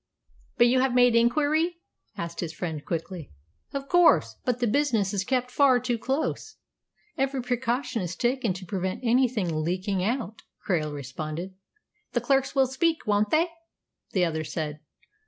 "But you've made inquiry?" asked his friend quickly. "Of course; but the business is kept far too close. Every precaution is taken to prevent anything leaking out," Krail responded. "The clerks will speak, won't they?" the other said.